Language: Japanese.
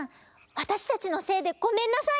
わたしたちのせいでごめんなさい！